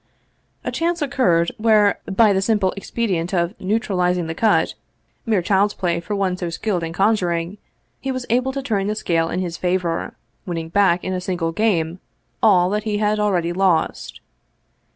A chance occurred where, by the simple expedient of neutral izing the cut, mere child's play for one so skilled in conjur ing, he was able to turn the scale in his favor, winning back in a single game all that he had already lost.